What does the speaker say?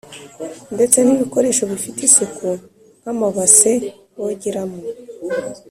ndetse n’ibikoresho bifite isuku nk’amabase bogeramo